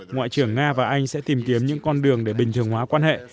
ngoại trưởng nga và anh sẽ tìm kiếm những con đường để bình thường hóa quan hệ